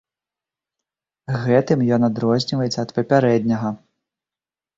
Гэтым ён адрозніваецца ад папярэдняга.